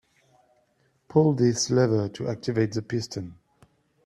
Pull this lever to activate the piston.